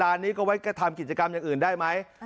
ล้านนี้ก็ไว้ทำกิจกรรมอื่นได้ไหม